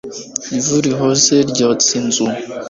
ivu rihoze ryotsa inzu